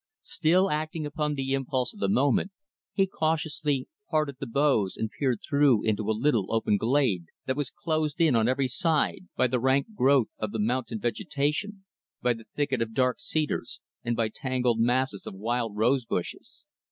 Still acting upon the impulse of the moment, he cautiously parted the boughs and peered through into a little, open glade that was closed in on every side by the rank growth of the mountain vegetation, by the thicket of dark cedars and by tangled masses of wild rose bushes.